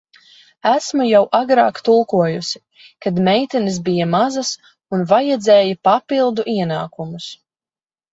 Esmu jau agrāk tulkojusi, kad meitenes bija mazas un vajadzēja papildu ienākumus.